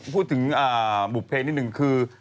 พูดถึงบุภเพลงนิดนึงคือ